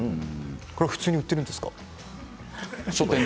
これ普通に売っているんですか？